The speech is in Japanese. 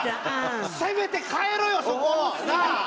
せめて変えろよそこ！なあ？